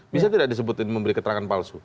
bisa tidak disebut memberi keterangan palsu